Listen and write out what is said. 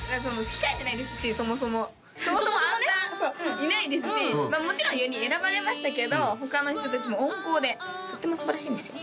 控えてないですしそもそもそもそもアンダーいないですしもちろん４人選ばれましたけど他の人達も温厚でとってもすばらしいんですよ